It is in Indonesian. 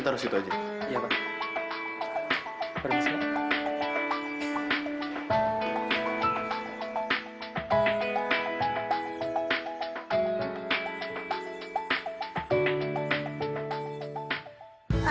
terus itu aja iya pak